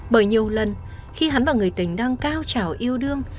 bởi nhiều lần khi hắn và người tình đang cao trào yêu đương